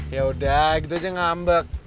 yaudah gitu aja ngambek